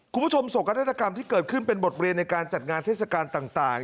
โศกนาฏกรรมที่เกิดขึ้นเป็นบทเรียนในการจัดงานเทศกาลต่าง